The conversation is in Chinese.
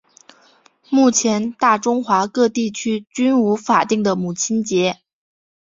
目前大中华各地区均无法定的母亲节。